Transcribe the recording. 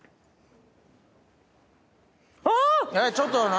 ちょっと何？